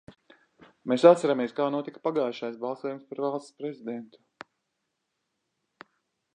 Mēs atceramies, kā notika pagājušais balsojums par Valsts prezidentu.